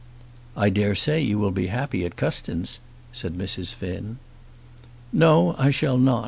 "I dare say you will be happy at Custins," said Mrs. Finn. "No; I shall not.